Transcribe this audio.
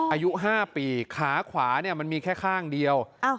อายุ๕ปีขาขวามันมีแค่ข้างเดียว